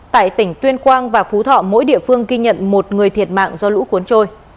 tại tỉnh tuyên quang và phú thọ mỗi địa phương ghi nhận một người thiệt mạng do lũ cuốn trôi